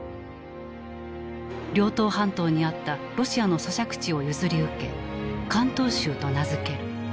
遼東半島にあったロシアの租借地を譲り受け関東州と名付ける。